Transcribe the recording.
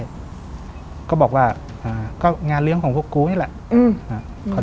คือก็บอกว่างานเลื้องของพวกกูนี้แหละ